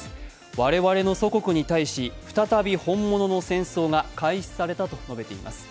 我々の祖国に対し再び本物の戦争が開始されたと述べています。